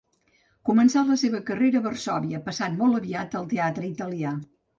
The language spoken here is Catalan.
Començà la seva carrera a Varsòvia, passant molt aviat al teatre Italià.